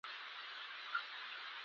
رنګونه په یوه غزل کې سره قافیه کړو.